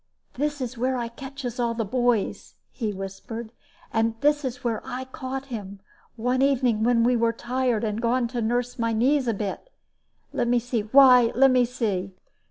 "This is where I catches all the boys," he whispered; "and this is where I caught him, one evening when I were tired, and gone to nurse my knees a bit. Let me see why, let me see!